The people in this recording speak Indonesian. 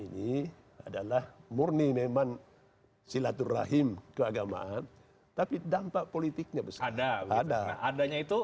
ini adalah murni memang silaturahim keagamaan tapi dampak politiknya besar ada adanya itu